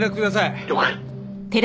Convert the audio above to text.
「了解」